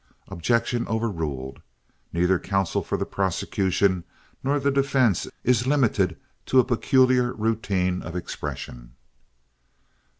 "Objection overruled. Neither counsel for the prosecution nor for the defense is limited to a peculiar routine of expression."